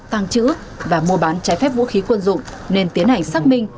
tàng trữ và mua bán trái phép vũ khí quân dụng nên tiến hành xác minh